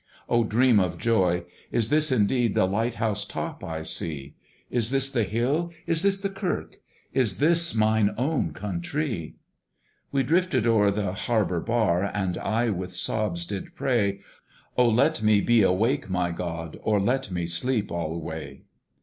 Oh! dream of joy! is this indeed The light house top I see? Is this the hill? is this the kirk? Is this mine own countree! We drifted o'er the harbour bar, And I with sobs did pray O let me be awake, my God! Or let me sleep alway.